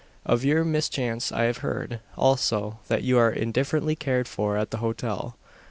Of your mischance I have heard also, that you are indifferently cared for at the hotel.